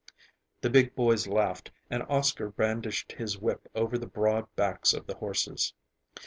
The big boys laughed, and Oscar brandished his whip over the broad backs of the horses.